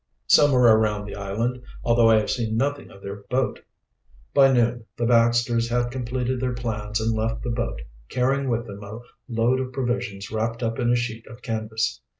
"Somewhere around the island, although I have seen nothing of their boat." By noon the Baxters had completed their plans and left the boat, carrying with them a load of provisions wrapped up in a sheet of canvas.